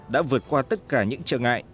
đã vượt qua tất cả những trở ngại